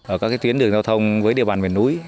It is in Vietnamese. ở các tuyến đường giao thông với địa bàn miền núi